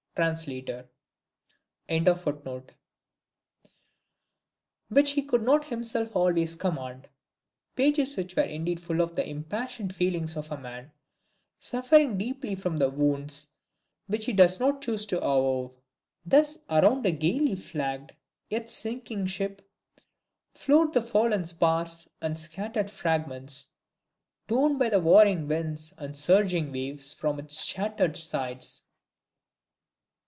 Translator.] which he could not himself always command: pages which are indeed full of the impassioned feelings of a man suffering deeply from wounds which he does not choose to avow. Thus around a gaily flagged, yet sinking ship, float the fallen spars and scattered fragments, torn by warring winds and surging waves from its shattered sides.